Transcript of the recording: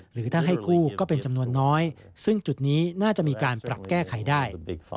หรือถ้าให้กู้ก็เป็นจำนวนน้อยซึ่งจุดนี้น่าจะมีการปรับแก้ไขได้